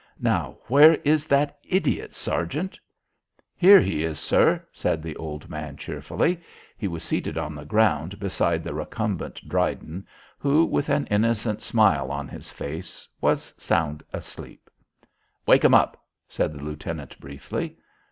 "Now where is that idiot, Sergeant?" "Here he is, sir," said the old man cheerfully. He was seated on the ground beside the recumbent Dryden who, with an innocent smile on his face, was sound asleep. "Wake him up," said the lieutenant briefly.